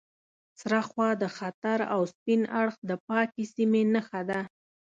سره خوا د خطر او سپین اړخ د پاکې سیمې نښه ده.